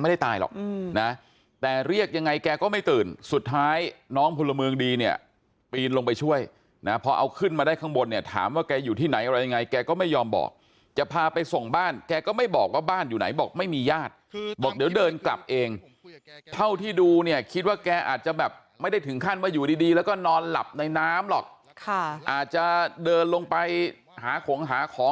ไม่ได้ตายหรอกนะแต่เรียกยังไงแกก็ไม่ตื่นสุดท้ายน้องพลเมืองดีเนี่ยปีนลงไปช่วยนะพอเอาขึ้นมาได้ข้างบนเนี่ยถามว่าแกอยู่ที่ไหนอะไรยังไงแกก็ไม่ยอมบอกจะพาไปส่งบ้านแกก็ไม่บอกว่าบ้านอยู่ไหนบอกไม่มีญาติบอกเดี๋ยวเดินกลับเองเท่าที่ดูเนี่ยคิดว่าแกอาจจะแบบไม่ได้ถึงขั้นว่าอยู่ดีแล้วก็นอนหลับในน้ำหรอกค่ะอาจจะเดินลงไปหาของหาของ